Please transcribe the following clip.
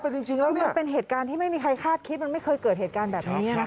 มันเป็นเหตุการณ์ที่ไม่มีใครคาดคิดมันไม่เคยเกิดเหตุการณ์แบบนี้